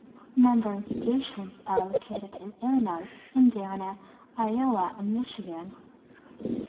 Member institutions are located in Illinois, Indiana, Iowa, and Michigan.